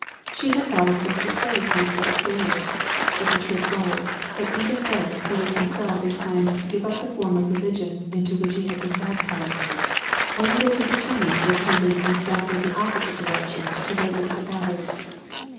She had thought it was the carelessness of a sailor; but the truth was, that even then he was himself inclined to give up the form of religion into which had been baptized, only that his opinions were tending in exactly the opposite direction to those of his father.